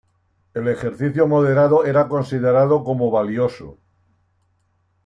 El ejercicio moderado era considerado como valioso.